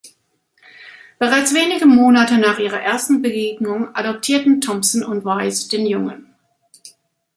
Bereits wenige Monate nach ihrer ersten Begegnung adoptierten Thompson und Wise den Jungen.